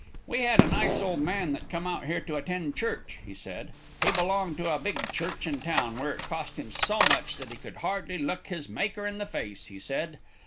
"We had a nice old man that come out here to attend church, he said. He belonged to a big church in town, where it cost him so much that he could hardly look his Maker in the face, he said.